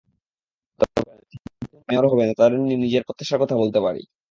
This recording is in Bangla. তবে নতুন যাঁরা মেয়র হবেন, তাঁদের নিয়ে নিজের প্রত্যাশার কথা বলতে পারি।